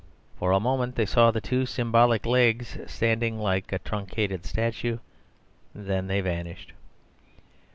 For a moment they saw the two symbolic legs standing like a truncated statue; then they vanished.